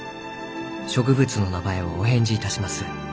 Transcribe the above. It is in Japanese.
植物の名前をお返事いたします。